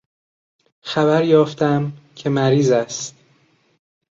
خبر یافتم که مریض است.